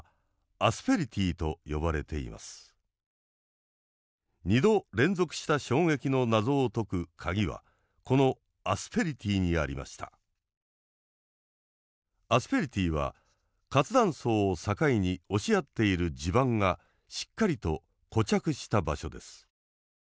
アスペリティは活断層を境に押し合っている地盤がしっかりと固着した場所です。